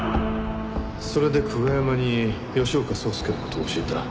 それで久我山に吉岡壮介の事を教えた。